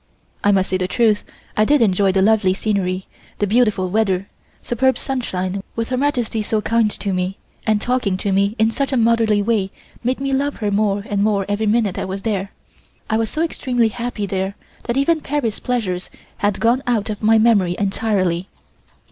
I must say the truth, I did enjoy the lovely scenery, the beautiful weather, superb sunshine, with Her Majesty so kind to me and talking to me in such a motherly way made me love her more and more every minute I was there. I was so extremely happy there that even Paris pleasures had gone out of my memory entirely.